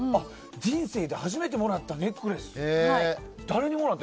人生で初めてもらったネックレス。